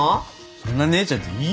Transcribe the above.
そんな姉ちゃんでいいよ